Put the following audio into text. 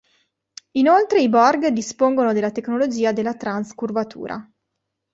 Inoltre i Borg dispongono della tecnologia della trans curvatura.